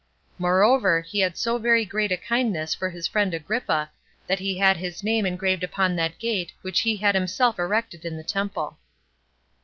Moreover, he had so very great a kindness for his friend Agrippa, that he had his name engraved upon that gate which he had himself erected in the temple.